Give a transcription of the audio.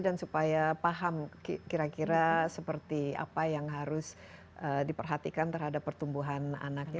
dan supaya paham kira kira seperti apa yang harus diperhatikan terhadap pertumbuhan anaknya